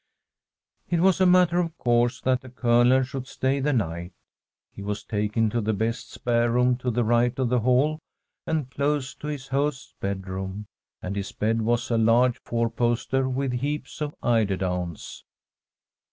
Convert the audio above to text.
It was a matter of course that the Colonel should stay the night. He was taken to the best spare room to the right of the hall and close to his host's bedroom, and his bed was a large four poster, with heaps of eiderdowns.